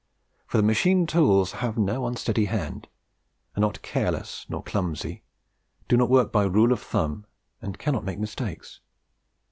For the machine tools have no unsteady hand, are not careless nor clumsy, do not work by rule of thumb, and cannot make mistakes.